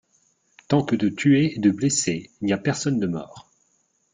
Tant que de tués et de blessés, il n'y a personne de mort.